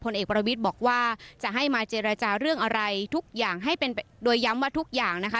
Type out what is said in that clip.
เอกประวิทย์บอกว่าจะให้มาเจรจาเรื่องอะไรทุกอย่างให้เป็นโดยย้ำว่าทุกอย่างนะคะ